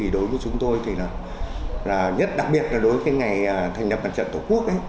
đối với chúng tôi nhất đặc biệt là đối với ngày thành lập bản trận tổ quốc